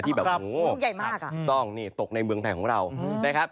ตกในเมืองแผ่งของเรา